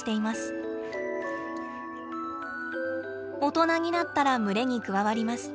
大人になったら群れに加わります。